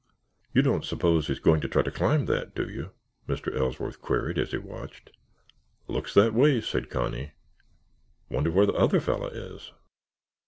"You don't suppose he's going to try to climb that, do you?" Mr. Ellsworth queried as he watched. "Looks that way," said Connie. "Wonder where the other fellow is."